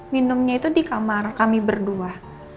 minumnya itu di kamar kami berdua